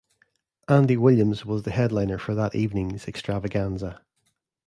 Andy Williams was the headliner for that evening's extravaganza.